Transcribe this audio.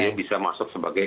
dia bisa masuk sebagai